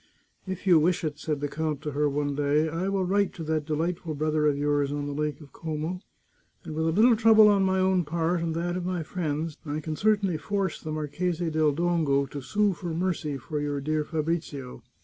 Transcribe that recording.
" If you wish it," said the count to her one day, " I will write to that delightful brother of yours on the Lake of Como, and with a little trouble on my own part and that of my friends, I can certainly force the Marchese del Dongo to sue for mercy for your dear Fabrizio.